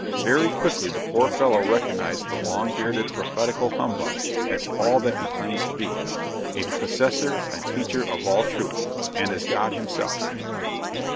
Very quickly the poor fellow recognized the long bearded prophetical humbug as all that he claimed to be a possessor and teacher of all truth, and as God himself.